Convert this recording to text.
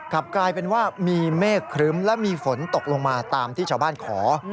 กลับกลายเป็นว่ามีเมฆครึ้มและมีฝนตกลงมาตามที่ชาวบ้านขอ